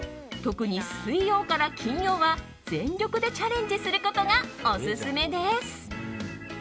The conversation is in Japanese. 特に水曜から金曜は全力でチャレンジすることがオススメです。